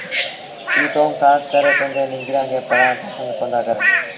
ايٚ ڪوم کآس ڪري پنڊري ننگريآݩ کي پڙهآڻ پسند ڪوندآ ڪريݩ